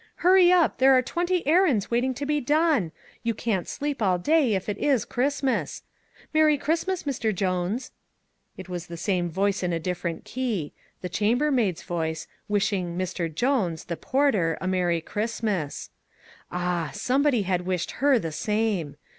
" Hurry up ! there are twenty errands waiting to be done. You can't sleep all day, if it is Christmas. Merry Christmas, Mr. Jones." It was the same voice MAG AND MARGARET in a different key; the chambermaid's voice, wishing " Mr. Jones," the porter, a merry Christmas. Ah ! somebody had wished her the same.